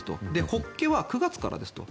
ホッケは９月からですと。